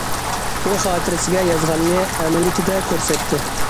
ئۇ خاتىرىسىگە يازغاننى ئەمەلىيىتىدە كۆرسەتتى.